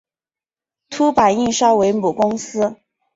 凸版印刷为母公司。